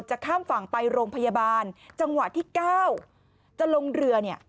ข้ามฝั่งไปโรงพยาบาลจังหวะที่ก้าวจะลงเรือเนี่ย